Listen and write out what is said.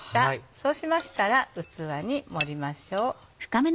そうしましたら器に盛りましょう。